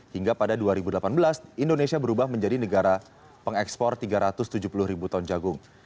hingga pada dua ribu delapan belas indonesia berubah menjadi negara pengekspor tiga ratus tujuh puluh ribu ton jagung